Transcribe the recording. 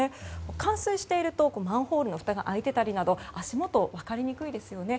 冠水しているとマンホールのふたが開いていたりなど足元分かりにくいですよね。